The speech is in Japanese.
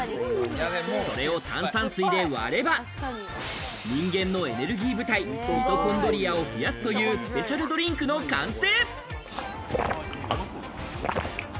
それを炭酸水で割れば、人間のエネルギー部隊ミトコンドリアを増やすというスペシャルドリンクの完成。